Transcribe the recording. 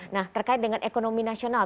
nah terkait dengan ekonomi nasional